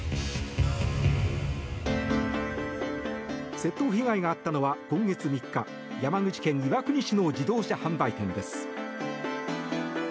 窃盗被害があったのは今月３日山口県岩国市の自動車販売店です。